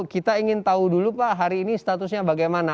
kita ingin tahu dulu pak hari ini statusnya bagaimana